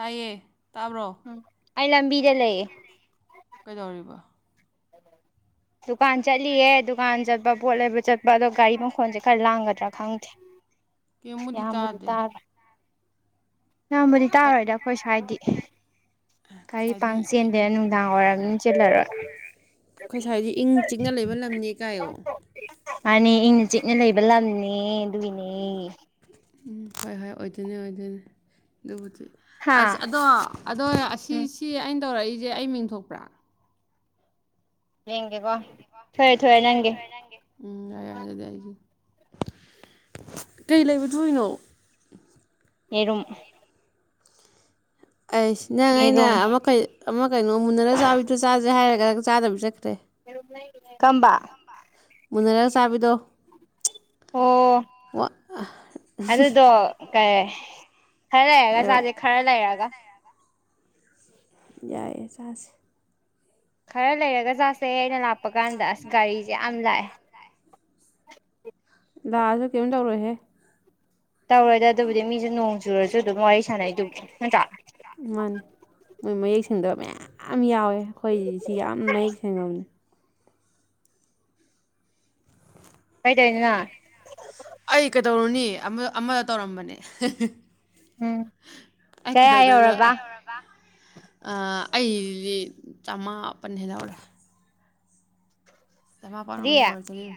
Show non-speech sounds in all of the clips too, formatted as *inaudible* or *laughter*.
ꯇꯥꯌꯦ ꯑꯝ ꯑꯩ ꯂꯝꯕꯤꯗ ꯂꯩꯌꯦꯦ ꯀꯩꯗꯧꯔꯤꯕ ꯗꯨꯀꯥꯟ ꯆꯠꯂꯤꯌꯦ ꯗꯨꯀꯥꯟ ꯆꯠꯄ ꯄꯣꯠ ꯂꯩꯕ ꯆꯠꯄ ꯑꯗꯣ ꯒꯥꯔꯤ ꯃꯈꯣꯜꯁꯦ ꯈꯔ ꯂꯥꯡꯒꯗ꯭ꯔꯥ ꯈꯪꯗꯦ ꯀꯩꯝꯕꯨꯗꯤ ꯌꯥꯝꯕꯗꯤ ꯇꯥꯗꯦ ꯇꯥꯔꯦ ꯌꯥꯝꯕꯨꯗꯤ ꯍꯥꯏꯠ ꯇꯥꯔꯣꯏꯗ ꯑꯩꯈꯣꯏ ꯁ꯭ꯋꯥꯏꯗꯤ ꯑꯩꯈꯣꯏ ꯒꯥꯔꯤ ꯁ꯭ꯋꯥꯏꯗꯤ ꯄꯥꯡ ꯆꯦꯟꯗꯦꯅ ꯑꯩꯈꯣꯏ ꯅꯨꯡꯗꯥꯡ ꯋꯥꯏꯔꯕꯝꯅꯤꯅ ꯆꯦꯜꯂꯔꯣꯏ ꯁ꯭ꯋꯥꯏꯗꯤ ꯏꯪ ꯆꯤꯛꯅ ꯂꯩꯕ ꯂꯝꯅꯤ ꯀꯥꯏꯌꯣ ꯎꯝ ꯑꯟꯏꯟꯇꯦꯜꯂꯤꯖꯤꯕꯜ ꯃꯥꯅꯤ ꯏꯪꯅ ꯆꯤꯛꯅ ꯂꯩꯕ ꯂꯝꯅꯦ ꯅꯤꯅꯦ ꯎꯝ ꯍꯣꯏ ꯍꯣꯏ ꯑꯣꯏꯗꯣꯏꯅꯦ ꯑꯣꯏꯗꯣꯏꯅꯦ ꯑꯗꯨꯕꯨꯗꯤ ꯍꯥ ꯑꯁ ꯑꯗꯣ ꯑꯗꯣ ꯎꯝ ꯑꯁꯤꯁꯤ ꯑꯩꯅ ꯇꯧꯔꯛꯏꯖꯦ ꯑꯩ ꯃꯤꯡꯊꯣꯛꯄ꯭ꯔꯥ ꯌꯦꯡꯒꯦꯀꯥ ꯊꯣꯛꯑꯦ ꯊꯣꯛꯑꯦ ꯅꯪꯒꯤ ꯎꯝ ꯌꯥꯏꯌꯥꯔꯦ ꯑꯗꯨꯗꯤ ꯑꯩꯒꯤꯅꯤ ꯀꯩ ꯂꯩꯕ ꯊꯣꯛꯏꯅꯣ ꯌꯦꯔꯨꯝ ꯑꯩꯁ ꯅꯪ ꯑꯩꯅ ꯌꯦꯔꯨꯝ ꯑꯃꯀꯩ ꯑꯃ ꯀꯩꯅꯣ ꯃꯨꯟꯅꯔꯒ ꯆꯥꯕꯤꯗꯨ ꯆꯥꯖꯦ ꯍꯥꯏꯔꯒ ꯆꯥꯗꯕ ꯆꯠꯇ꯭ꯔꯦ ꯀꯝꯕ ꯃꯨꯟꯅꯔꯒ ꯆꯥꯕꯤꯗꯣ ꯑꯣ ꯑꯗꯨꯗꯣ ꯀꯥꯏ ꯈꯔ ꯂꯩꯔꯒ ꯍꯥꯏꯔꯛꯑꯣ ꯆꯥꯖꯦ ꯈꯔ ꯂꯩꯔꯒ ꯌꯥꯏꯌꯦ ꯆꯥꯁꯦ ꯈꯔ ꯂꯩꯔꯒ ꯆꯥꯁꯦ ꯑꯩꯅ ꯂꯥꯛꯄ ꯀꯥꯟꯗ ꯑꯁ ꯒꯥꯔꯤꯁꯦ ꯌꯥꯝ ꯂꯥꯛꯑꯦ ꯅꯁꯨ ꯀꯩꯝ ꯇꯧꯔꯣꯏꯍꯦ ꯇꯧꯔꫭꯏꯗ ꯑꯗꯨꯕꯨꯗꯤ ꯃꯤꯁꯨ ꯅꯣꯡ ꯆꯨꯔꯁꯨ ꯑꯗꯨ ꯃꯣꯏ ꯃꯥꯅꯦ ꯊꯤꯟꯗꯕ ꯃꯌꯥꯝ ꯌꯥꯎꯋꯦ ꯑꯩꯈꯣꯏꯁꯤ ꯌꯥꯝꯅ ꯃꯌꯦꯛ ꯁꯦꯡꯉꯅꯕꯅꯤ ꯀꯩ ꯇꯧꯔꯤꯅꫭ ꯅꯪ ꯑꯩ ꯀꯩꯗꯧꯔꯨꯅꯤ ꯑꯃꯗ ꯇꯧꯔꯝꯕꯅꯦ ꯎꯝ ꯀꯌꯥ ꯌꯧꯔꯕ *unintelligible* ꯑꯩꯗꯤ ꯆꯥꯝꯃꯥ ꯄꯟ ꯍꯦꯟ ꯍꯧꯔꯦ ꯆꯃ ꯀꯔꯤ ꯄꯟꯃꯨꯛ ꯍꯦꯜꯍꯧꯔꯦ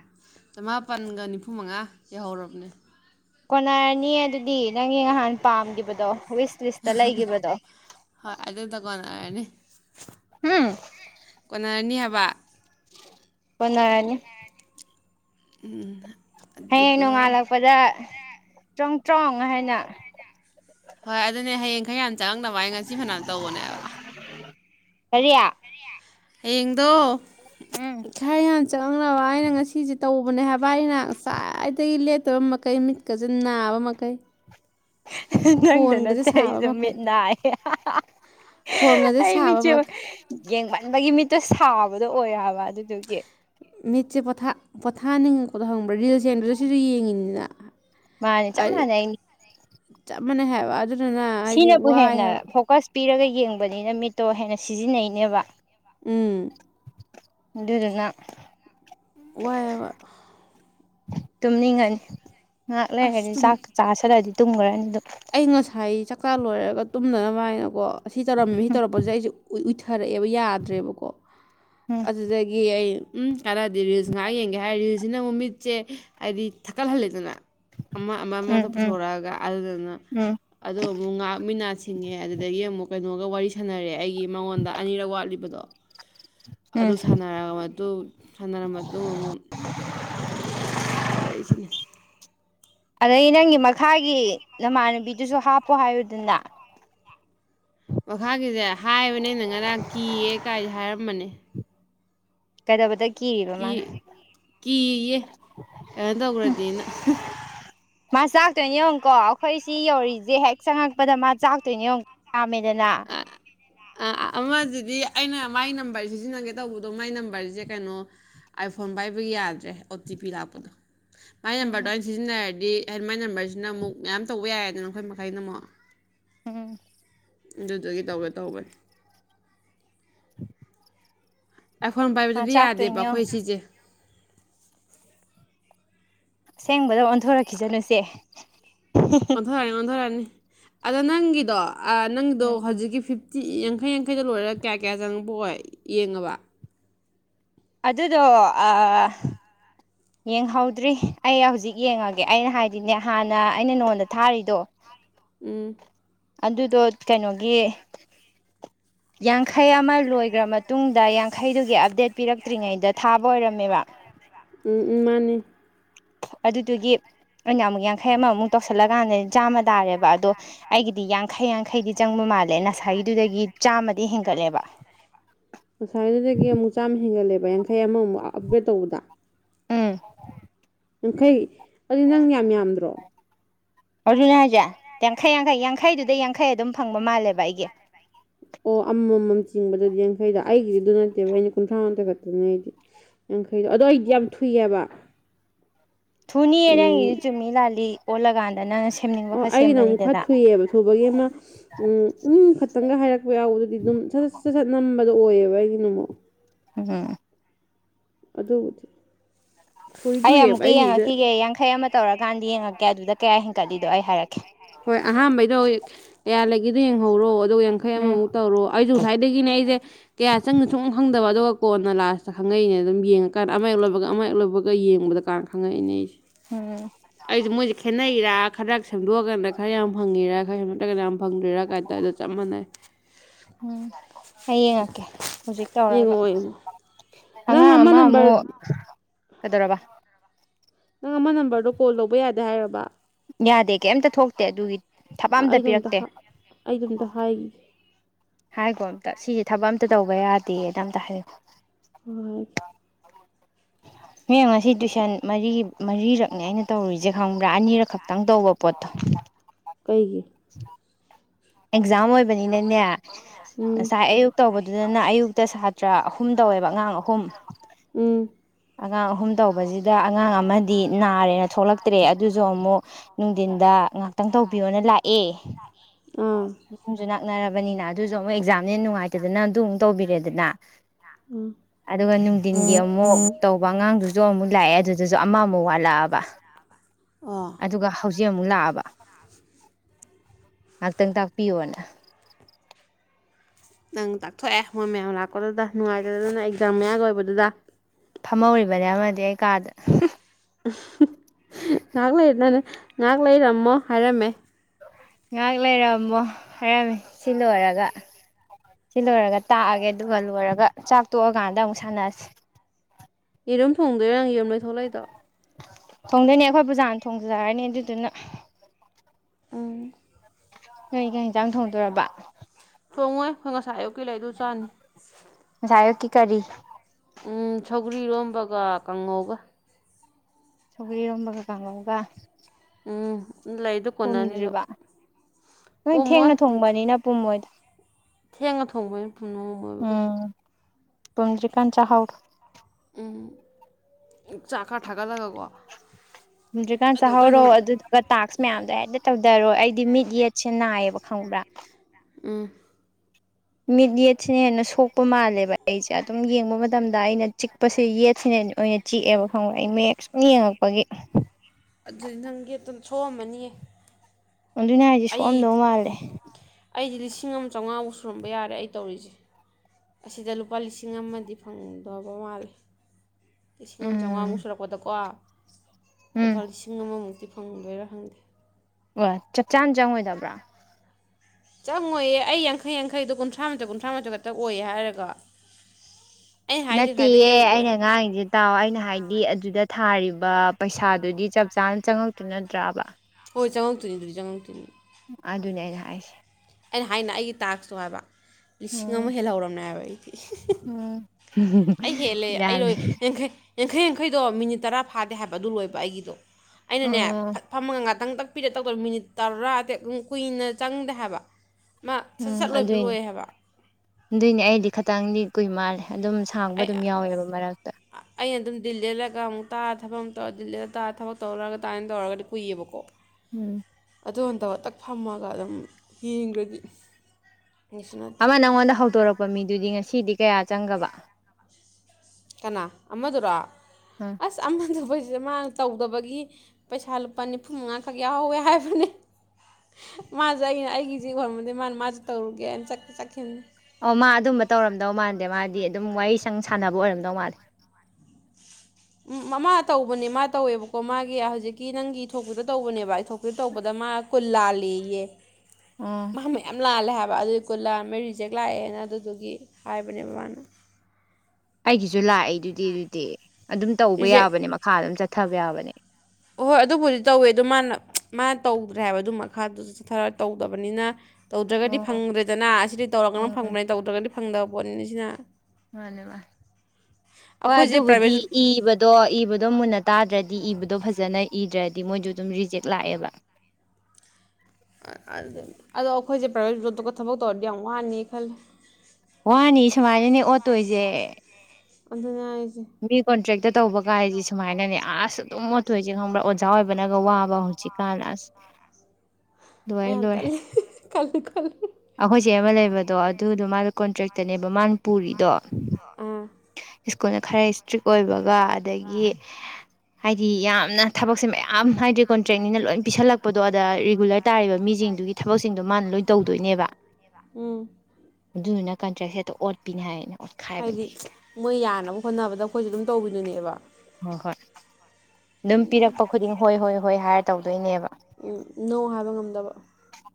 ꯆꯃꯥꯄꯜꯒ ꯅꯤꯐꯨ ꯃꯉꯥ ꯌꯧꯍꯧꯔꯕꯅꯦ ꯀꯣꯟꯅꯔꯅꯤ ꯑꯗꯨꯗꯤ ꯅꯪꯒꯤ ꯉꯍꯥꯟ ꯄꯥꯝꯈꯤꯕꯗꯣ ꯋꯤꯁ ꯂꯤꯁꯇ ꯂꯩꯈꯤꯕꯗꯣ ꯑꯅꯤ ꯎꯝ ꯀꯣꯟꯅꯔꯅꯤ ꯍꯥꯏꯕ ꯀꫭꯟꯅꯔꯅꯤ ꯎꯝ ꯍꯌꯦꯡ ꯑꯗꯨꯒ ꯅꯣꯡꯉꯥꯜꯂꯛꯄꯗ ꯆ ꯇ꯭ꯔꯣꯡ ꯉꯥ ꯍꯥꯏꯅ ꯍꯣꯏ ꯑꯗꯨꯅꯦ ꯍꯌꯦꯡ ꯈꯔ ꯌꯥꯝ ꯆꯪꯉꯛꯅꯕ ꯑꯩ ꯉꯁꯤ ꯐꯅꯅ ꯇꯧꯕꯅꯦꯕ ꯀꯔꯤꯌꯥ ꯏ ꯑꯗꯣ ꯈꯔ ꯌꯥꯝꯥꯟ ꯆꯪꯕ ꯑꯩꯅ ꯉꯁꯤꯁꯦ ꯇꯧꯕꯅꯦ ꯍꯥꯏꯕ ꯑꯩꯅ ꯁꯋꯥꯏꯗꯒꯤ ꯂꯦꯠꯇꯕ ꯃꯈꯩ ꯃꯤꯠꯀꯁꯤꯦ ꯅꯥꯕ ꯃꯈꯩ ꯅꯪꯗ ꯐꯣꯟꯒꯁꯦ ꯅꯠꯇꯦ ꯁꯥꯕ ꯑꯩꯁꯨ ꯃꯈꯩ ꯃꯤꯠ ꯅꯥꯏꯌꯦ ꯑ ꯐꯣꯟꯒꯁꯦ ꯑꯩ ꯁꯥꯕ ꯃꯤꯆ ꯃꯈꯩ ꯡꯃꯥꯟꯕꯒꯤ ꯃꯤ ꯑꯗꯨ ꯁꯥꯕꯗꯣ ꯑꯣꯏꯕ ꯑꯗꯨꯗꯨꯒꯤ ꯃꯤꯠꯁꯦ ꯄꯣꯊꯥ ꯄꯣꯊꯥꯅꯤꯡꯕ ꯈꯣꯊꯥꯍꯕ꯭ꯔꯥ ꯔꯤꯜꯁꯦ ꯁꯦꯟꯗ꯭ꯔꯗꯁꯤꯗ ꯌꯦꯡꯉꯤꯅꯤꯅ ꯃꯥꯅꯦ ꯆ ꯃꯥꯅꯦ ꯑꯅꯤ ꯃꯅꯦ ꯍꯦꯋꯥ ꯁꯤꯅꯕꯨ ꯍꯦꯟꯅ ꯐꯣꯀꯁ ꯄꯤꯔꯒ ꯌꯦꯡꯕꯅꯤꯅ ꯃꯤꯠꯇꯣ ꯍꯦꯟꯅ ꯁꯤꯖꯤꯟꯅꯩꯅꯦꯕ ꯎꯝ ꯎꯔꯉ ꯋꯥꯏꯕ ꯇꯨꯝꯅꯤꯡꯉꯅꯤ ꯉꯥꯏꯍꯥꯛ ꯑꯁ ꯂꯩꯔꯅꯤ ꯇꯨꯝ ꯆꯥꯛ ꯆꯥꯁꯤꯔꯗꯤ ꯇꯨꯝꯈ꯭ꯔꯅꯤꯗ ꯑꯩ ꯉꯁꯥꯏ ꯆꯀꯥ ꯂꯣꯏꯔꯒ ꯇꯨꯝꯅꯅꯕ ꯍꯥꯏꯅꯀꯣ ꯑꯁꯤ ꯇꯧꯔꯝꯃꯦ ꯁꯤ ꯇꯧꯔꯛꯄꯁꯦ ꯑꯩꯁꯦ ꯎꯏꯊꯔꯛꯑꯦꯕ ꯌꯥꯗ꯭ꯔꯦꯕꯀꯣ ꯎꯝ ꯑꯗꯨꯗꯒꯤ ꯑꯩ ꯎꯝ ꯀꯥꯟꯅꯗꯤ ꯔꯤꯜꯁ ꯉꯥꯏꯍꯥꯛ ꯌꯦꯡꯒꯦ ꯍꯥꯏ ꯔꯤꯜꯁꯁꯤꯅ ꯑꯃꯨꯛ ꯃꯤꯠꯁꯦ ꯍꯥꯏꯗꯤ ꯊꯛꯀꯠꯍꯜꯂꯦꯗꯅ ꯑꯃ ꯑꯃ ꯑꯃꯗ ꯎꯝ ꯎꯝ ꯄꯨꯊꯣꯔꯛꯑꯒ ꯑꯗꯨꯗꯨꯅ ꯎꯝ ꯑꯗꯣ ꯑꯃꯨꯛ ꯉꯥꯛꯃꯤꯟꯅ ꯁꯤꯡꯉꯦ ꯑꯗꯨꯗꯒꯤ ꯑꯃꯨꯛ ꯀꯩꯅꯣꯒ ꯋꯥꯔꯤ ꯁꯥꯟꯅꯔꯦ ꯑꯩ ꯒꯤ ꯃꯉꯣꯟꯗ ꯑꯅꯤꯔꯛ ꯋꯥꯠꯂꯤꯕꯗꯣ *unintelligible* ꯎꯝ ꯑꯗꯨ ꯁꯥꯟꯅꯔꯔꯕ ꯃꯇꯨꯡ ꯁꯥꯟꯅꯔꯕ ꯃꯇꯨꯡ ꯑꯃꯨꯛ ꯇꯧꯔꯛꯏꯁꯤꯅꯦ ꯑꯗꯒꯤ ꯅꯪꯒꯤ ꯃꯈꯥꯒꯤ ꯅꯃꯥꯟꯅꯕꯤꯗꯨꯁꯨ ꯍꯥꯞꯄꯣ ꯍꯥꯏꯔꯨꯗꯨꯅ ꯋꯥ ꯍꯗ ꯍꯥꯏꯕꯅꯦ ꯅꯪ ꯉꯔꯥꯡ ꯀꯤꯌꯦ ꯀꯥꯏ ꯍꯥꯏꯔ ꯃꯅꯦ ꯀꯩꯗꯕꯊ ꯀꯤ ꯀꯤꯌꯦ ꯀꯃꯥꯏꯅ ꯇꯧꯈ꯭ꯔꯗꯤꯅ ꯃꯥ ꯆꯥꯛꯇꯣꯏꯅꯦ ꯌꯦꯡꯉꯨꯀꯣ ꯑꯩꯈꯣꯏ ꯁꯤ ꯌꯧꯔꯤꯁꯦ ꯍꯦꯛ ꯆꯪꯉꯛꯄꯗ ꯃꯥ ꯆꯥꯛꯇꯣꯏꯅꯦ ꯌꯦꯡꯉ ꯌꯥꯝꯥꯝꯃꯦ ꯑ ꯑ ꯑꯃ ꯑꯗꯨꯗꯤ ꯑꯩꯅ ꯃꯥꯏ ꯅꯝꯕꯔ ꯁꯤꯖꯤꯟꯅꯒꯦ ꯇꯧꯕꯗꯣ ꯃꯥꯏ ꯅꯝꯕꯔꯁꯦ ꯀꯩꯅꯣ ꯑꯥꯏꯐꯣꯟ ꯄꯥꯏꯕ ꯌꯥꯗ꯭ꯔꯦ ꯑꯣ ꯇꯤ ꯄꯤ ꯂꯥꯛꯄꯗꯣ ꯃꯥꯏ ꯎꯝ ꯌꯥꯝꯝꯕꯔꯣꯟ ꯁꯤꯟ ꯍꯥꯏꯗꯤ ꯍꯦꯟꯃꯥꯏꯟ ꯅꯝꯕꯔꯁꯤꯅ ꯑꯃꯨꯛ ꯃꯌꯥꯝ ꯇꯧꯕ ꯌꯥꯏꯗꯅ ꯅꯈꯣꯏ ꯃꯈꯩꯅ ꯑꯃꯨꯛ ꯎꯝ ꯑꯗꯨꯗꯨꯒꯤ ꯇꯧꯒꯦ ꯇꯧꯒꯦ *unintelligible* ꯑꯩꯈꯣꯟ ꯃꯥ ꯄꯥꯏꯕꯗꯨꯗꯤ ꯆꯥꯛꯇꯣꯏꯅꯦ ꯌꯥꯗꯦꯕ ꯌꯦꯡꯉꯨ ꯑꯩꯈꯣꯏ ꯁꯤꯁꯦ ꯑꯁꯦꯡꯕꯗ ꯑꯣꯟꯊꯣꯔꯛꯈꯤꯁꯅꯨꯁꯦ ꯑꯣꯊꯣꯔꯅꯤ ꯑꯣꯗ ꯂꯅꯤ ꯑꯗ ꯅꯪꯒꯤꯗꯣ ꯅꯪꯗꯣ ꯎꯝ ꯍꯧꯖꯤꯛꯀꯤ ꯐꯤꯞ ꯁꯤ ꯌꯥꯡꯈꯩ ꯌꯥꯡꯈꯩꯗ ꯂꯣꯏꯔꯒ ꯀꯌꯥ ꯀꯌꯥ ꯆꯪꯉꯛꯄ ꯑꯣꯏ ꯌꯦꯡꯉꯕ ꯑꯗꯨꯗꯣ ꯌꯦꯡꯍꯧꯗ꯭ꯔꯤ ꯑꯩ ꯍꯧꯖꯤꯛ ꯌꯦꯡꯉꯒꯦ ꯑꯩꯅ ꯍꯥꯏꯗꯤꯅꯦ ꯍꯥꯟꯅ ꯑꯩꯅ ꯅꯉꯣꯟꯗ ꯊꯥꯔꯤꯗꯣ ꯎꯝ ꯑꯗꯨꯗꯣ ꯀꯩꯅꯣꯒꯤ ꯌꯥꯡꯈꯩ ꯑꯃ ꯂꯣꯏꯈ꯭ꯔ ꯃꯇꯨꯡꯗ ꯌꯥꯡꯈꯩꯗꯨꯒꯤ ꯑꯞꯗꯦꯠ ꯄꯤꯔꯛꯇ꯭ꯔꯤꯉꯩꯗ ꯊꯥꯕ ꯑꯣꯏꯔꯝꯃꯦꯕ ꯎꯝ ꯃꯥꯅꯤ ꯑꯗꯨꯗꯨꯒꯤ ꯑꯩꯅ ꯑꯃꯨꯛ ꯌꯥꯡꯈꯩ ꯑꯃꯃꯨꯛ ꯇꯧꯁꯤꯜꯂꯀꯥꯟꯗ ꯆꯥꯝꯃ ꯇꯥꯔꯦꯕ ꯑꯗꯣ ꯑꯩꯒꯤꯗꯤ ꯌꯥꯡꯈꯩ ꯌꯥꯡꯈꯩꯗꯤ ꯆꯪꯕ ꯃꯥꯜꯂꯦ ꯉꯁꯥꯏꯒꯤꯗꯨꯗꯒꯤ ꯆꯥꯝꯃꯗꯤ ꯍꯦꯟꯒꯠꯂꯦꯕ ꯉꯁꯥꯏꯗꯨꯗꯒꯤ ꯑꯃꯨꯛ ꯆꯥꯝꯃ ꯍꯦꯟꯒꯠꯂꯦꯕ ꯌꯥꯡꯈꯩ ꯑꯃꯃꯨꯛ ꯑꯞꯒꯦꯗ ꯇꯧꯕꯗ ꯎꯝ ꯌꯥꯡꯈꯩ ꯑꯗꯨ ꯅꯪ ꯌꯥꯝ ꯌꯥꯝꯗ꯭ꯔꯣ ꯑꯗꯨꯅ ꯍꯥꯏꯁꯦ ꯌꯥꯡꯈꯩ ꯌꯥꯡꯈꯩ ꯌꯥꯡꯈꯩꯗꯨꯗ ꯌꯥꯡꯈꯩ ꯑꯗꯨꯝ ꯐꯪꯕ ꯃꯥꯜꯂꯦꯕ ꯑꯩꯒꯤ ꯑꯣ ꯑꯃꯃꯝ ꯆꯤꯡꯕꯗꯗꯤ ꯌꯥꯡꯈꯩꯗ ꯑꯩꯒꯤꯁꯤꯗꯨ ꯅꯠꯇꯦꯕ ꯑꯩꯅ ꯀꯨꯟꯊ꯭ꯔꯥ ꯃꯊ ꯈꯛꯇꯅꯦ ꯑꯩꯗꯤ ꯌꯥꯡꯈꯩꯗꯣ ꯑꯗꯣ ꯑꯩꯗꯤ ꯌꯥꯝ ꯊꯨꯏꯑꯕ ꯊꯨꯅꯤꯌꯦ ꯎꯝ ꯅꯪꯒꯤꯗꯤ ꯆꯨꯝꯃꯤ ꯂꯥꯜꯂꯤ ꯑꯣꯜꯂꯀꯥꯟꯗ ꯅꯪꯅ ꯁꯦꯝꯅꯤꯡꯕ ꯑꯣ ꯈꯔ ꯑꯩꯒꯤꯅ ꯑꯃꯨꯛ ꯈꯔ ꯁꯦꯝꯕꯅꯤꯗꯅ ꯊꯨꯏꯑꯕ ꯊꯨꯕꯒꯤ ꯑꯃ ꯎꯝ ꯎꯝ ꯈꯛꯇꯪꯒ ꯍꯥꯏꯔꯛꯄ ꯌꯥꯎꯕꯗꯨꯗꯤ ꯑꯗꯨꯝ ꯁꯠ ꯁꯠ ꯁꯠ ꯁꯠ ꯗ ꯑꯣꯏꯌꯦꯕ ꯑꯩꯗꯤ ꯅꯃꯛ ꯍꯝ ꯑꯗꯨꯕꯨꯗꯤ ꯑꯩ ꯁꯣꯏꯗ꯭ꯔꯤꯑꯕ ꯑꯃꯨꯛꯀ ꯑꯩꯒꯤꯁꯤꯗ ꯌꯦꯡꯉꯛꯈꯤꯒꯦ ꯌꯥꯡꯈꯩ ꯑꯃ ꯇꯧꯔꯀꯥꯟꯗ ꯌꯦꯡꯉꯛꯀꯦ ꯑꯗꯨꯗ ꯀꯌꯥ ꯍꯦꯟꯒꯠꯂꯤꯗꯣ ꯑꯩ ꯍꯥꯏꯔꯛꯀꯦ ꯍꯣꯏ ꯑꯍꯝꯕꯩꯗꯣ ꯀꯌꯥ ꯂꯩꯒꯦꯗꯣ ꯌꯦꯡꯍꯧꯔꯣ ꯑꯗꯨꯒ ꯌꯥꯡꯈꯩ ꯎꯝ ꯑꯃꯃꯨꯛ ꯇꯧꯔꯣ ꯑꯩꯁꯨ ꯉꯁꯥꯏꯗꯒꯤꯅꯦ ꯑꯩꯁꯦ ꯀꯌꯥ ꯆꯪꯅ ꯁꯣꯛꯅ ꯈꯪꯗꯕ ꯑꯗꯨꯒ ꯀꯣꯟꯅ ꯂꯥꯁꯇ ꯈꯪꯉꯛꯏꯅꯦ ꯑꯗꯨꯝ ꯌꯦꯡꯉꯀꯥꯟꯗ ꯑꯃ ꯍꯛ ꯂꯣꯏꯕꯒ ꯑꯃ ꯍꯛ ꯂꯣꯏꯕꯒ ꯌꯦꯡꯕꯗ ꯀꯀꯥꯟꯗ ꯈꯪꯉꯛꯏꯅꯦ ꯑꯩꯁꯦ ꯎꯝ ꯑꯩꯗꯤ ꯃꯣꯏ ꯈꯦꯅ ꯏꯔꯥꯒ ꯈꯗ ꯁ ꯁꯦꯝꯗꯣꯛꯒ ꯈꯔ ꯌꯥꯝ ꯐꯪꯉꯤꯔꯥ ꯈꯔ ꯌꯥꯝ ꯅꯠꯇ꯭ꯔꯒꯅ ꯌꯥꯝ ꯐꯪꯗꯣꯏꯔꯥ ꯀꯥꯏꯇ ꯑꯗꯣ ꯆꯞ ꯃꯥꯟꯅꯩ ꯎꯝ ꯍꯌꯦꯡꯉꯛꯀꯦ ꯍꯧꯖꯤꯛ ꯇꯧꯔꯒ ꯌꯦꯡꯉꯛꯑꯣ ꯌꯦꯡꯉꯣ ꯅꯪ ꯑꯉꯥꯡ ꯑꯃ ꯅꯝꯕꯔ ꯑꯃꯨꯛ ꯀꯗꯧꯣꯔꯔꯕ ꯅꯪ ꯑꯃ ꯅꯝꯕꯔꯗꯣ ꯀꯣꯜ ꯂꯧꯕ ꯌꯥꯗꯦ ꯍꯥꯏꯔꯕ ꯌꯥꯗꯦ ꯀꯩꯝꯇ ꯊꯣꯛꯇꯦ ꯑꯗꯨꯒꯤ ꯊꯕꯛ ꯑꯝꯇ ꯑꯩꯗꯣꯝꯇ ꯄꯤꯔꯛꯇꯦ ꯑꯩꯗꯣ ꯑꯝꯇ ꯍꯥꯏꯈꯤ ꯍꯥꯏꯈꯣ ꯑꯝꯇ ꯁꯤꯁꯦ ꯊꯕꯛꯝ ꯑ ꯇꯧꯕ ꯌꯥꯗꯦꯅ ꯑꯝꯇ ꯍꯥꯏꯔꯛꯣ ꯍꯣꯏ ꯃꯤꯌꯦꯡ ꯉ ꯑꯁꯤꯁꯤ ꯇꯨꯏꯁꯟ ꯃꯔꯤ ꯃꯔꯤꯔꯛꯅꯦ ꯑꯩꯅ ꯇꯧꯔꯨꯔꯤꯁꯦ ꯈꯪꯕ꯭ꯔꯥ ꯑꯅꯤꯔꯛ ꯈꯛꯇꯪ ꯇꯧꯕ ꯄꯣꯠꯇꯣ ꯑꯩꯒꯤꯦ ꯎ ꯑꯦꯛꯖꯥꯝ ꯑꯣꯏꯕꯅꯤꯅꯅꯦ ꯎꯝ ꯁꯥꯏ ꯑꯌꯨꯛꯇꯕ ꯑꯗꯨꯗꯨꯅ ꯑꯌꯨꯛꯇ ꯁꯥꯇ꯭ꯔ ꯑꯍꯨꯝ ꯇꯧꯋꯦꯕ ꯑꯉꯥꯡ ꯑꯍꯨꯝ ꯎꯝ ꯑꯉꯥꯡ ꯑꯍꯨꯝ ꯇꯧꯕꯁꯤꯗ ꯑꯉꯥꯡ ꯑꯃꯗꯤ ꯅꯥꯔꯦꯅ ꯊꯣꯛꯂꯛꯇ꯭ꯔꯦ ꯑꯗꯨꯁꯨ ꯑꯃꯨꯛ ꯅꯨꯡꯊꯤꯟꯗ ꯉꯥꯛꯇꯪ ꯇꯧꯕꯤꯌꯣꯅ ꯂꯥꯛꯑꯦ ꯑꯥ ꯊꯛꯅꯔꯕꯅꯤꯅ ꯑꯗꯨꯁꯨ ꯑꯃꯨꯛ ꯑꯦꯛꯖꯥꯝꯅꯦꯦ ꯅꯨꯡꯉꯥꯏꯇꯗꯅ ꯑꯗꯨ ꯑꯃꯨꯛ ꯇꯧꯕꯤꯔꯦꯗꯅ ꯎꯝ ꯑꯗꯨꯒ ꯅꯨꯡꯊꯤꯟꯒꯤ ꯑꯃꯨꯛ ꯇꯧꯕ ꯑꯉꯥꯡꯗꯨꯁꯨ ꯑꯃꯨꯛ ꯂꯥꯛꯑꯦ ꯑꯗꯨꯅ ꯑꯗꯨꯁꯨ ꯑꯃꯃꯨꯛ ꯋꯥꯠꯂꯛꯑꯕ ꯑꯣ ꯑꯗꯨꯒ ꯍꯧꯖꯤꯛ ꯁꯤꯦ ꯑꯃꯨꯛ ꯂꯥꯛꯑꯕ ꯉꯥꯛꯇꯪꯥꯛ ꯄꯤꯑꯣꯅ ꯅꯪ ꯇꯥꯛꯊꯣꯛꯑꯦ ꯃꯣꯏ ꯃꯌꯥꯝ ꯂꯥꯛꯄꯗꯨꯗ ꯅꯨꯡꯉꯥꯏꯇꯗꯗꯅ ꯑꯦꯛꯖꯥꯝ ꯃꯌꯥꯒꯤ ꯑꯣꯏꯕꯗꯨꯗ ꯐꯝꯍꯧꯔꯤꯕꯅꯦ ꯑꯃꯗꯤ ꯑꯩ ꯀꯥꯗ ꯒ ꯍꯥꯏꯔꯅꯅꯦ ꯉꯥꯏꯍꯥꯛ ꯂꯩꯔꯝꯃꯣ ꯍꯥꯏꯔꯝꯃꯦ ꯉꯥꯏꯍꯥꯛ ꯂꯩꯔꯝꯃꯣ ꯍꯥꯏꯔꯝꯃꯤ ꯁꯤ ꯂꯣꯏꯔꯒ ꯁꯤ ꯂꯣꯏꯔꯒ ꯇꯥꯛꯑꯒꯦ ꯑꯗꯨꯒ ꯂꯣꯏꯔꯒ ꯆꯥꯛ ꯇꯣꯛꯑꯀꯥꯟꯗ ꯑꯃꯨꯛ ꯁꯥꯟꯅꯔꯁꯤ ꯌꯦꯔꯨꯝ ꯊꯣꯡꯗꯣꯏꯔꯪ ꯌꯦꯔꯨꯝꯂꯣꯏ ꯊꯣꯛꯂꯛꯏꯗꯣ ꯊꯣꯡꯗꯣꯏꯅꯦ ꯑꯩꯈꯣꯏ ꯄꯨꯕꯨꯖꯥꯅ ꯊꯣꯡꯖꯔꯅꯤ ꯑꯗꯨꯗꯨꯅ ꯎꯝ ꯀꯩꯒꯩ ꯌꯦꯟꯆꯥꯡ ꯊꯣꯡꯗꯣꯏꯔꯕ ꯆꯣꯡꯉꯣꯏ ꯑꯩꯣꯏ ꯉꯁꯥꯏ ꯑꯌꯨꯛꯀꯤ ꯂꯩꯗꯨ ꯆꯥꯅꯤ ꯌꯥꯏꯣꯀꯤ ꯀꯔꯤ ꯎꯝ ꯁꯧꯒ꯭ꯔꯤꯔꯣꯝꯕꯒ ꯀꯥꯡꯉꯧꯒ ꯁꯔꯝꯕꯀꯥꯉꯀ ꯎꯝ ꯂꯩꯗꯣ ꯀꯣꯟꯅꯅꯤꯗꯣ ꯅꯣꯏ ꯄꯣꯝꯃꯣꯏ ꯊꯦꯡꯅ ꯊꯣꯡꯕꯅꯤꯅ ꯄꯨꯝꯃꯣꯏꯗ ꯊꯦꯡꯉ ꯊꯣꯡꯕꯅ ꯄꯨꯝꯅꯉꯝꯃꯣꯏꯕ ꯀꯩꯁꯨ ꯄꯟꯖꯤ꯭ꯀꯥꯟ ꯆꯍꯥꯎ ꯎꯝ ꯆꯥꯛ ꯈꯥ ꯊꯥꯒꯂꯒꯒꯣ ꯍꯧꯗ꯭ꯔꯤꯀꯥꯟ ꯆꯥꯍꯧꯔꯣ ꯑꯗꯨꯗꯨꯒ ꯇꯥꯛꯁ ꯃꯌꯥꯝꯗꯣ ꯍꯦꯛꯇ ꯇꯧꯊꯔꯣ ꯑꯩ ꯗꯤ ꯃꯤꯠ ꯌꯦꯠꯁꯦ ꯅꯥꯏꯌꯦꯕ ꯈꯪꯕ꯭ꯔꯥ ꯑꯝ ꯃꯤꯠ ꯌꯦꯠꯁꯤꯅ ꯍꯦꯟꯅ ꯁꯣꯛꯄ ꯃꯥꯜꯂꯦꯕ ꯑꯩꯁꯦ ꯑꯗꯨꯝ ꯌꯦꯡꯕ ꯃꯇꯝꯗ ꯑꯩꯅ ꯆꯤꯛꯄꯁꯦ ꯌꯦꯠꯁꯤꯅ ꯑꯣꯏꯅ ꯆꯤꯛꯑꯦꯕ ꯈꯪꯕ ꯑꯩ ꯃꯌꯦꯛ ꯁꯨꯝ ꯌꯦꯡꯉꯛꯄꯒꯤ ꯑꯗꯨꯗꯤ ꯅꯪꯒꯤ ꯑꯗꯨꯝ ꯊꯣꯛꯑꯝꯃꯅꯤꯌꯦ ꯑꯗꯨꯅ‌ꯦ ꯍꯥꯏꯁꯦ ꯁꯣꯛꯑꯝꯗꯧ ꯃꯥꯜꯂꯦ ꯑꯩꯗꯤ ꯂꯤꯁꯤꯡ ꯑꯃ ꯆꯥꯝꯃꯉꯥꯃꯥꯎꯛ ꯁꯨꯔꯝꯕ ꯌꯥꯔꯦ ꯑꯩ ꯇꯧꯔꯤꯁꯦ ꯑꯁꯤꯗ ꯂꯨꯄꯥ ꯂꯤꯁꯤꯡ ꯑꯃꯗꯤ ꯐꯪꯗꯕ ꯃꯥꯜꯂꯦ ꯂꯤꯁꯤꯡ ꯑꯃ ꯎꯝ ꯆꯥꯝꯃꯉꯥꯃꯨꯛ ꯁꯨꯔꯛꯄꯗꯀꯣ ꯎꯝ ꯂꯨꯄꯥ ꯂꯤꯁꯤꯡ ꯑꯃꯃꯨꯛꯇꯤ ꯐꯪꯗꯣꯏꯔꯥ ꯍꯪꯗꯦ ꯑꯣ ꯆꯞ ꯆꯥꯅ ꯆꯪꯉꯣꯏꯗꯕ꯭ꯔꯥ ꯆꯪꯉꯣꯏꯌꯦ ꯑꯩ ꯌꯥꯡꯈꯩ ꯌꯥꯡꯈꯩꯗꯣ ꯀꯨꯟꯊ꯭ꯔꯥ ꯃꯥꯊ ꯀꯨꯟꯊ꯭ꯔꯥ ꯃꯊꯛ ꯈꯛꯇꯛ ꯑꯣꯏꯌꯦ ꯍꯥꯏꯔꯒ ꯑꯩꯅ ꯍꯥꯏꯁꯦ ꯈ꯭ꯋꯥꯏꯗꯒꯤ ꯅꯠꯇꯦꯌꯦ ꯌꯥꯡ ꯑꯩꯅ ꯉꯥꯡꯉꯤꯁꯦ ꯇꯥꯎꯑꯣ ꯑꯩꯅ ꯍꯥꯏꯗꯤ ꯑꯗꯨꯗ ꯊꯥꯔꯤꯕ ꯄꯩꯁꯥꯗꯨꯗꯤ ꯆꯞ ꯆꯥꯅ ꯆꯪꯉꯛꯇꯣꯏ ꯅꯠꯇ꯭ꯔꯕ ꯍꯣꯏ ꯆꯪꯉꯛꯇꯣꯏꯅꯤ ꯑꯗꯨꯗꯤ ꯆꯪꯉꯛꯇꯣꯏꯅꯤ ꯑꯗꯨꯅꯦ ꯑꯩꯅ ꯍꯥꯏꯁꯦ ꯑꯩꯅ ꯍꯥꯏꯅ ꯑꯩꯒꯤ ꯇꯥꯛꯁꯇꯣ ꯍꯥꯏꯕ ꯂꯤꯁꯤꯡ ꯑꯃ ꯎꯝ ꯃ ꯍꯦꯜꯂ ꯍ ꯍꯧꯔꯝꯅ ꯍꯥꯏꯕ ꯎꯝ ꯑꯩ ꯍꯦꯜꯂꯦ ꯑꯩꯗꯣ ꯌꯥꯅꯦ ꯌꯥꯡꯈꯩ ꯌꯥꯡꯈꯩ ꯌꯥꯡꯈꯩꯗꯣ ꯃꯤꯅꯤꯠ ꯇꯔꯥ ꯐꯥꯗꯦ ꯍꯥꯏꯕ ꯑꯗꯨ ꯂꯣꯏꯕ ꯑꯩꯒꯤꯗꯣ ꯑꯩꯅꯅꯦ ꯑꯣ ꯐꯝꯃꯒ ꯉꯥꯛ ꯈꯪꯇꯛꯄꯤꯔ ꯇꯧꯗ ꯃꯤꯅꯤꯠ ꯇꯔꯥ ꯇꯦꯛ ꯀꯨꯏꯅ ꯆꯪꯗꯦ ꯍꯥꯏꯕ ꯃꯥ ꯁꯠ ꯎꯝ ꯁꯠ ꯂꯣꯏꯕꯗꯨ ꯑꯗꯨꯏꯅꯦ ꯂꯣꯏ ꯍꯥꯏꯕ ꯑꯗꯨꯏꯅꯦ ꯑꯩꯗꯤ ꯈꯤꯇꯪꯗꯤ ꯀꯨꯏ ꯃꯥꯜꯂꯦ ꯑꯗꯨꯝ ꯁꯥꯡꯕ ꯑꯩ ꯑꯗꯨꯝ ꯌꯥꯎꯋꯦꯕ ꯃꯔꯛꯇ ꯑꯩꯅ ꯑꯗꯨꯝ ꯗꯤꯜ ꯂꯦꯜ ꯂꯒ ꯑꯃꯨꯛ ꯇꯥꯔ ꯊꯕꯛ ꯑꯃꯛ ꯇꯧꯔ ꯗꯤꯜꯂꯦꯗ ꯇꯥꯔ ꯊꯕꯛ ꯇꯧꯔ ꯂꯩꯔꯒ ꯇꯥꯏꯅ ꯇꯧꯔꯒꯗꯤ ꯀꯨꯏꯌꯦꯕꯀꯣ ꯎꯝ ꯑꯗꯨ ꯅꯠꯇꯕ ꯇꯛ ꯐꯝꯃꯒ ꯑꯗꯨꯝ ꯌꯦꯡꯈ꯭ꯔꯗꯤ ꯀꯩꯁꯨ ꯅꯠꯇꯦ ꯑꯃ ꯅꯪꯉꯣꯟꯗ ꯍꯧꯗꯣꯔꯛꯄ ꯃꯤꯗꯨꯗꯤ ꯉꯁꯤꯗꯤ ꯀꯌꯥ ꯆꯪꯒꯕ ꯀꯅꯥ ꯑꯃꯗꯨꯔꯣ ꯎꯝ ꯑꯁ ꯑꯃꯗꯨ ꯑꯩꯁꯦ ꯃꯥꯅ ꯇꯧꯗꯕꯒꯤ ꯄꯩꯁꯥ ꯂꯨꯄꯥ ꯅꯤꯐꯨ ꯃꯉꯥꯈꯛ ꯌꯥꯎꯍꯧꯋꯦ ꯍꯥꯏꯕꯅꯦ ꯃꯥꯁꯦ ꯑꯩꯅ ꯑꯩꯒꯤꯁꯦ ꯈꯔꯃꯗ ꯃꯥꯅ ꯃꯥꯁꯨꯦ ꯇꯧꯔꯨꯒꯦꯅ ꯆꯠꯈꯤ ꯑꯣ ꯃꯥ ꯑꯗꯨꯝꯕ ꯇꯧꯔꯝꯗꯧ ꯃꯥꯜꯗꯦ ꯃꯥꯗꯤ ꯑꯗꯨꯝ ꯋꯥꯔꯤ ꯁꯪ ꯁꯥꯟꯅꯕ ꯑꯣꯏꯔꯝꯗꯧ ꯃꯥꯜꯂꯦ ꯎ ꯃꯥꯃꯥ ꯇꯧꯕꯅꯦ ꯃꯥ ꯇꯧꯋꯦꯕꯀꯣ ꯃꯥꯒꯤ ꯍꯧꯖꯤꯛꯀꯤ ꯅꯪꯒꯤ ꯏ ꯊꯣꯛꯣꯛꯄꯗ ꯇꯧꯕꯅꯦꯕ ꯑꯩꯄ ꯑꯗꯨ ꯇꯧꯕꯗ ꯃꯥ ꯍꯣ ꯂꯜꯂꯦꯌꯦ ꯑꯣ ꯃ ꯃꯌꯥꯝ ꯂꯥꯜꯂꯦ ꯍꯥꯏꯕ ꯑꯗꯨ ꯀꯨꯂ ꯔꯤꯖꯦꯛ ꯂꯥꯛꯑꯦꯅ ꯑꯗꯨꯗꯨꯒꯤ ꯍꯥꯏꯕꯅꯦꯕ ꯃꯥꯅ ꯑꯩꯒꯤꯁꯨ ꯂꯥꯛꯏ ꯑꯗꯨꯗꯤ ꯑꯗꯨꯗꯤ ꯑꯗꯨꯝ ꯇꯧꯕ ꯔꯤꯖꯦꯛ ꯌꯥꯕꯅꯦ ꯃꯈꯥ ꯑꯗꯨꯝ ꯆꯠ ꯊꯕ ꯌꯥꯕꯅꯦ ꯍꯍꯣꯏ ꯑꯗꯨꯕꯨꯗꯤ ꯇꯧꯋꯦ ꯑꯗꯨ ꯃꯥꯅ ꯃꯥꯅ ꯇꯧꯗ꯭ꯔꯦ ꯍꯥꯏꯕ ꯑꯗꯨ ꯃꯈꯥꯗꯨꯁꯨ ꯆꯠꯊꯔ ꯇꯧꯗꯕꯅꯤꯅ ꯇꯧꯗ꯭ꯔꯒꯗꯤ ꯑꯣ ꯐꯪꯗ꯭ꯔꯦꯗꯅ ꯑꯁꯤꯗꯤ ꯇꯧꯔꯒꯅ ꯎꯝ ꯎꯝ ꯐꯪꯕꯅꯦ ꯇꯧꯗ꯭ꯔꯒꯗꯤ ꯐꯪꯗꯕ ꯄꯣꯠꯅꯤꯅ ꯁꯤꯅ ꯃꯥꯅꯦ ꯃꯥꯅꯤ ꯍꯣꯏ ꯑꯩꯈꯣꯏꯁꯦ ꯄ꯭ꯔꯥꯏꯚꯦꯠ ꯑꯗꯨꯕꯨꯗꯤ ꯏꯕꯗꯣ ꯏꯕꯗꯣ ꯃꯨꯟꯅ ꯇꯥꯗ꯭ꯔꯗꯤ ꯏꯕꯗ ꯑꯗꯣ ꯐꯖꯅ ꯏꯗ꯭ꯔꯗꯤ ꯃꯣꯏꯁꯨ ꯑꯗꯨꯝ ꯔꯤꯖꯦꯛ ꯂꯥꯛꯑꯦꯕ ꯑꯗꯣ ꯑꯩꯈꯣꯏꯁꯦ ꯄ꯭ꯔꯥꯏꯚꯦꯠ ꯖꯣꯕꯇꯒ ꯊꯕꯛ ꯇꯧꯔꯗꯤ ꯌꯥꯝ ꯋꯥꯅꯤ ꯈꯜꯂꯦ ꯋꯥꯅꯤ ꯁꯨꯃꯥꯏꯅꯅꯦ ꯑꯣꯠꯇꯣꯏꯁꯦ ꯑꯗꯨꯅ ꯃꯤ ꯀꯣꯟꯇ꯭ꯔꯦꯛꯇꯔ ꯀꯣꯟꯇ꯭ꯔꯦꯛꯇ ꯇꯧꯕ ꯒꯥꯏꯁꯤ ꯁꯨꯃꯥꯏꯅꯅꯦ ꯑꯁ ꯑꯣꯠꯇꯣꯏꯁꯦ ꯈꯪꯕ꯭ꯔꯥ ꯑꯣꯖꯥ ꯑꯣꯠꯇ‌ꯣꯏꯁꯦ ꯈꯪꯕ꯭ꯔꯥ ꯑꯣꯏꯕꯅꯒ ꯑꯣꯖꯥ ꯋꯥꯕ ꯑꯣꯏꯕꯅꯒ ꯋꯥꯕ ꯍꯧꯖꯤꯛꯀꯥꯟ ꯍꯧ ꯑꯁ ꯑꯁ ꯑꯩ ꯂꯣꯏꯔꯦ ꯌꯥꯝ ꯂꯣꯏꯔꯦ ꯇꯜꯂ‌ꯦ ꯀ ꯈ *unintelligible* ꯑꯩꯈꯣꯏ ꯆꯦ ꯑꯃ ꯂꯩꯕꯗꯣ ꯑꯗꯨꯗꯣ ꯃꯥꯅ ꯀꯣꯟꯇ꯭ꯔꯦꯛꯇꯅꯦꯕ ꯃꯥꯅ ꯄꯨꯔꯤꯗꯣ ꯑꯥ *unintelligible* ꯁ꯭ꯀꯨꯜꯅ ꯈꯔ ꯏꯁꯇꯔꯤꯛ ꯑꯣꯏꯕꯒ ꯑꯗꯒꯤ ꯍꯥꯏꯗꯤ ꯌꯥꯝꯅ ꯊꯕꯛꯁꯦ ꯃꯌꯥꯝ ꯍꯥꯏꯗꯤ ꯀꯣꯟꯇ꯭ꯔꯦꯛꯅꯤꯅ ꯂꯣꯏ ꯄꯤꯁꯜꯂꯛꯄ ꯑꯗꯣ ꯑꯗ ꯔꯤꯒꯨꯂꯔ ꯇꯥꯔꯤꯕ ꯃꯤꯁꯤꯡꯗꯨꯒꯤ ꯊꯕꯛꯁꯤꯡꯗꯣ ꯃꯥꯅ ꯂꯣꯏ ꯇꯧ ꯗꯣꯏꯅꯦꯕ ꯎꯝ ꯑꯗꯨꯗꯨꯅ ꯀꯟꯇ꯭ꯔꯦꯛ ꯍꯦꯛꯇ ꯑꯣꯠꯄꯤꯅꯤ ꯍꯥꯏꯅ ꯍꯥꯏꯗꯤ ꯑꯣꯠꯈꯥꯏꯕꯅꯦ ꯃꯣꯏ ꯌꯥꯅꯕ ꯍ‌ꯣꯠꯅꯕꯗ ꯑꯩꯈꯣꯏꯁꯨ ꯑꯗꯨꯝ ꯇꯧꯕꯤꯗꯨꯅꯦꯕ ꯍꯣꯏ ꯍꯣꯏ ꯑꯗꯨꯝ ꯄꯤꯔꯛꯄ ꯈꯨꯗꯤꯡ ꯍꯣꯏ ꯍꯣꯏ ꯍꯣꯏ ꯍꯥꯏꯔ ꯇꯧꯗꯣꯏꯅꯦꯕ ꯎꯝ ꯅꯣ ꯍꯥꯏꯕ ꯉꯝꯗꯕ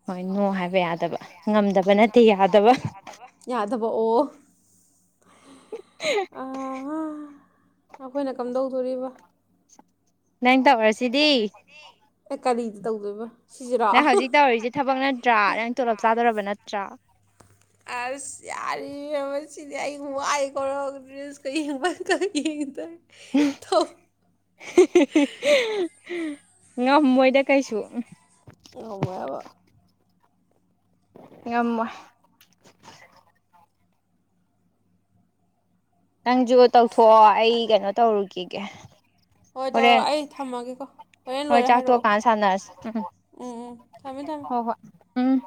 ꯍꯣꯏ ꯍ‌ꯣꯏ ꯌꯥꯗꯕ ꯗ ꯉꯝꯗꯕ ꯅꯠꯇꯦ ꯌꯥꯗꯕ ꯌꯥꯗꯕ ꯌꯥꯗꯕ ꯑꯣ ꯑꯩꯈꯣꯏꯅ ꯀꯝꯗꯧꯗꯣꯔꯤꯕ ꯅꯪ ꯇꯧꯔꯁꯤꯗꯤ ꯑꯦ ꯀꯔꯤꯗ ꯇꯧꯗꯣꯏꯕ ꯁꯤꯁꯤꯔꯣ ꯅꯪ ꯍꯧꯖꯤꯛ ꯇꯧꯔꯤꯁꯦ ꯊꯕꯛ ꯅꯠꯇ꯭ꯔꯥ ꯅꯪ ꯇꯣꯂꯞ ꯆꯥꯗꯣꯔꯕ ꯅꯠꯇ꯭ꯔꯥ ꯑꯁ ꯌꯥꯔꯤ ꯏꯕ‌ꯦꯝꯃ ꯁꯤꯗꯤ ꯑꯩ ꯋꯥꯏꯀ‌ꯣ ꯔꯤꯜꯁꯀ ꯌꯦꯡꯕꯗ ꯌꯦꯡꯗꯔꯤ *unintelligible* ꯉꯝꯃꯣꯏꯗ ꯀꯥꯩꯁꯨ ꯌꯥꯝ ꯋꯥꯏꯕ ꯉꯝꯃ‌ꯣꯏ *unintelligible* ꯅꯪꯁꯨ ꯇꯧꯊꯣꯛꯑꯣ ꯑꯩ ꯀꯩꯅꯣ ꯇꯧꯔꯨꯈꯤꯒꯦ ꯍꯣꯏ ꯇꯧꯔꯣ ꯍꯣꯔꯦꯟ ꯑꯩ ꯊꯝꯃꯒꯦꯀꯣ ꯍꯣꯔꯦꯟ ꯍꯣꯏ ꯂꯣꯏꯔꯦ ꯆꯥꯛ ꯍꯥꯏꯔꯛꯑꯣ ꯇꯣꯛꯑꯀꯥꯟ ꯁꯥꯟꯅꯔꯁꯤ ꯎꯝ ꯎꯝ ꯎꯝ ꯊꯝꯃꯦ ꯊꯝꯃꯦ ꯍꯣꯏ ꯍꯣꯏ ꯎꯝ